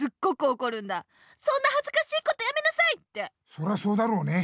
そらそうだろうね。